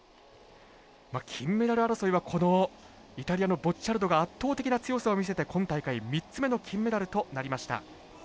金メダル争いはイタリアのボッチャルドが圧倒的な強さを見せて今大会３つ目の金メダルとなりました。